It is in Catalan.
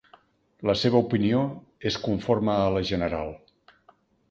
La seva opinió és conforme a la general.